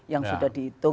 yang sudah dihitung